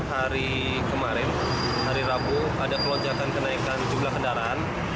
hari kemarin hari rabu ada kelonjakan kenaikan jumlah kendaraan